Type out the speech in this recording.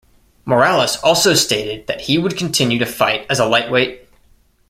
Morales also stated that he would continue to fight as a lightweight.